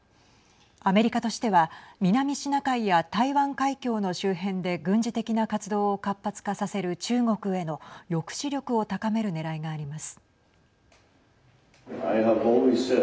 アメリカとしては南シナ海や台湾海峡の周辺で軍事的な活動を活発化させる中国への抑止力を高めるねらいがあります。